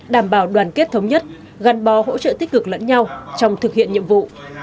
đảm bảo đoàn kết thống nhất gắn bó hỗ trợ tích cực lẫn nhau trong thực hiện nhiệm vụ